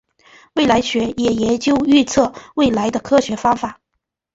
未来学也研究预测未来的科学方法。